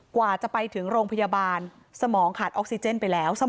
กว่าจะไปถึงโรงพยาบาลสมองขาดออกซิเจนไปแล้ว